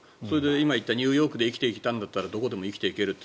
今、言ったニューヨークで生きていきたいんだったらどこでも生きていけるって。